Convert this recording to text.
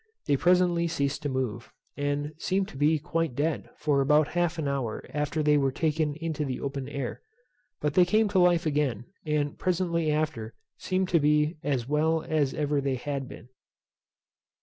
They presently ceased to move, and seemed to be quite dead for about half an hour after they were taken into the open air; but then they came to life again, and presently after seemed to be as well as ever they had been.